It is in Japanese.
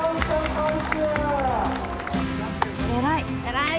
偉い！